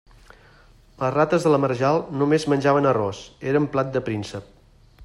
Les rates de la marjal només menjaven arròs; eren plat de príncep.